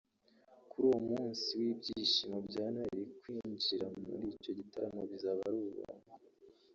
Kuri uwo munsi w’ibyishimo bya Noheli kwinjira muri icyo gitaramo bizaba ari ubuntu